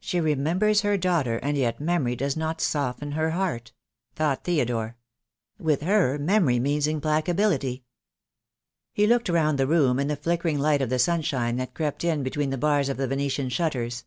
"She remembers her daughter, and yet memory does not soften her heart," thought Theodore. "With her memory means implacability." He looked round the room, in the flickering light of the sunshine that crept in between the bars of the Vene tian shutters.